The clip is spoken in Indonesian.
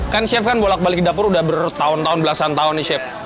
kan chef kan bolak balik dapur udah bertahun tahun belasan tahun nih chef